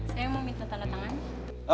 saya mau minta tanda tangannya